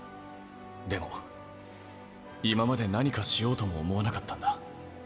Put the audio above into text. でも今まで何かしようとも思わなかったんだ。